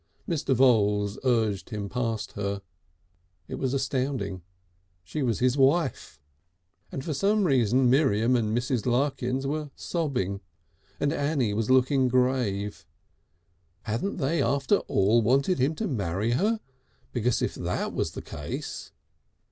Mr. Voules urged him past her. It was astounding. She was his wife! And for some reason Miriam and Mrs. Larkins were sobbing, and Annie was looking grave. Hadn't they after all wanted him to marry her? Because if that was the case